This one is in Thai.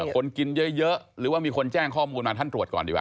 คนกินเยอะหรือว่ามีคนแจ้งข้อมูลมาท่านตรวจก่อนดีกว่า